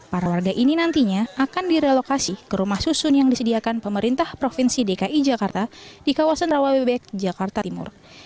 para warga ini nantinya akan direlokasi ke rumah susun yang disediakan pemerintah provinsi dki jakarta di kawasan rawabebek jakarta timur